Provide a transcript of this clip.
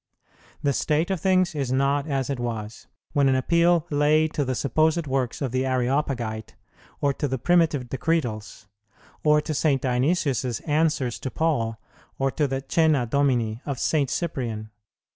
The state of things is not as it was, when an appeal lay to the supposed works of the Areopagite, or to the primitive Decretals, or to St. Dionysius's answers to Paul, or to the Cœna Domini of St. Cyprian.